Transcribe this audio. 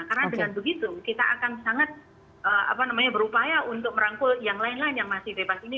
karena dengan begitu kita akan sangat berupaya untuk merangkul yang lain lain yang masih bebas ini